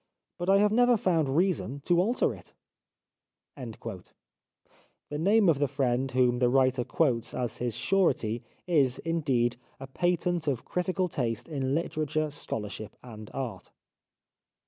But I have never found reason to alter it." The name of the friend whom the writer quotes as his surety is, indeed, a patent of critical taste in literature, scholarship and art.